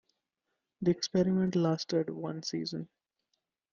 The experiment lasted one season.